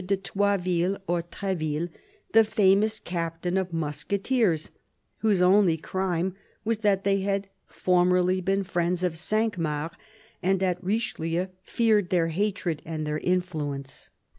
de Troisville, or Treville, the famous captain of musketeers — whose only crime was that they had formerly been friends of Cinq Mars, and that Richelieu feared their hatred and their influence.